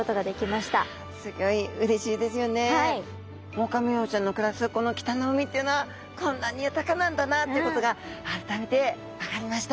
オオカミウオちゃんの暮らすこの北の海っていうのはこんなに豊かなんだなっていうことが改めて分かりました。